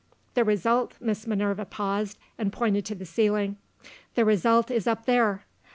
The result" Miss Minerva paused, and pointed to the ceiling; "the result is up there.